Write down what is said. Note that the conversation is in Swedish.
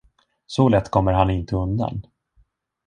Så lätt kommer han inte undan.